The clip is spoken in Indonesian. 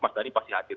mas dhani pasti hadir